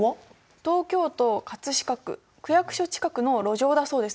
東京都飾区区役所近くの路上だそうです。